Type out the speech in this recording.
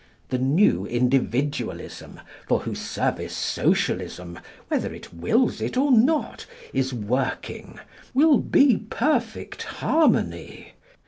The new Individualism, for whose service Socialism, whether it wills it or not, is working, will be perfect harmony.